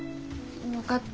分かった。